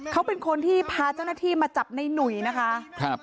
เขาเป็นคนที่พาเจ้าหน้าที่มาจับในหนุ่ยนะคะครับ